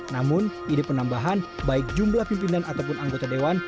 namun ide penambahan baik jumlah pimpinan ataupun anggota dewan